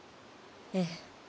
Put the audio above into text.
ええ。